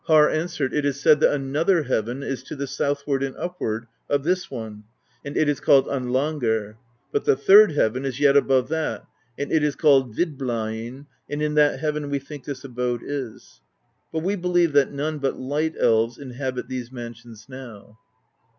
32 PROSE EDDA answered: ^^It is said that another heaven is to the south ward and upward of this one, and it is called Andlangr;^ but the third heaven is yet above that, and it is called Vid blainn,'' and in that heaven we think this abode is. But we believe that none but Light Elves inhabit these mansions now."